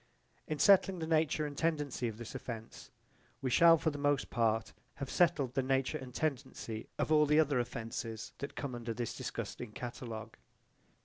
In settling the nature and tendency of this offence we shall for the most part have settled the nature and tendency of all the other offences that come under this disgusting catalogue.